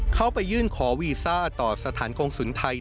เข้าไปยื่นขอวีซ่าต่อสถานกงศูนย์ไทย